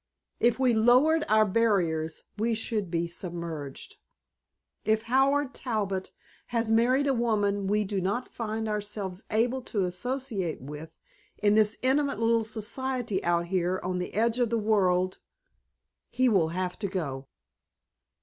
If we lowered our barriers we should be submerged. If Howard Talbot has married a woman we do not find ourselves able to associate with in this intimate little society out here on the edge of the world, he will have to go."